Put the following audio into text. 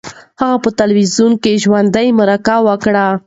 هغې په تلویزیون کې ژوندۍ مرکه وکړه.